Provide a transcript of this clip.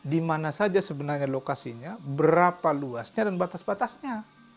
di mana saja sebenarnya lokasinya berapa luasnya dan batas batasnya